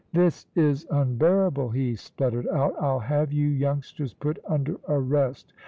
"This is unbearable," he spluttered out, "I'll have you youngsters put under arrest.